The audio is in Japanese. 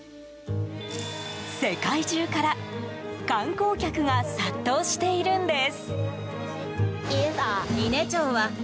世界中から観光客が殺到しているんです。